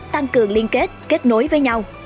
tăng cường liên kết kết nối với nhau